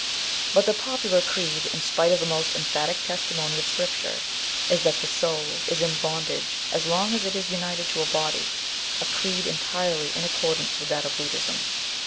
But the popular creed, in spite of the most emphatic testimony of Scripture, is that the soul is in bondage so long as it is united to a body, a creed entirely in accordance with that of Buddism.